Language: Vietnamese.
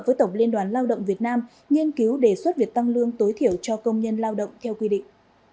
với tổng liên đoàn lao động việt nam nghiên cứu đề xuất việc tăng lương tối thiểu cho công nhân lao động theo quy định